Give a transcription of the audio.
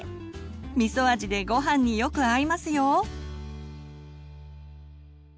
みそ味でごはんによく合いますよ。